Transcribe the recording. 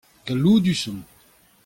Galloudus on.